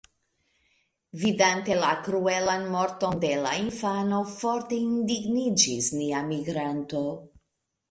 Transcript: Vidante la kruelan morton de la infano forte indigniĝis nia migranto.